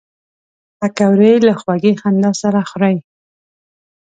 پکورې له خوږې خندا سره خوري